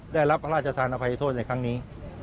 ได้รับราชธาณภัยโทษในครั้งนี้